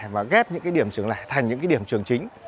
và ghép những cái điểm trường lẻ thành những điểm trường chính